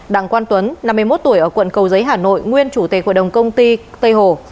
đặng quang tuấn năm mươi một tuổi ở quận cầu giấy hà nội nguyên chủ tịch hội đồng công ty tây hồ